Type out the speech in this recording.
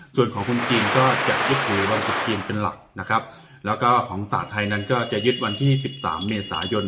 ส่วนของคุณจีนก็จะยึดถือวันตรุษจีนเป็นหลักนะครับแล้วก็ของศาสตร์ไทยนั้นก็จะยึดวันที่สิบสามเมษายน